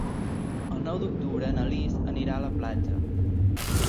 El nou d'octubre na Lis anirà a la platja.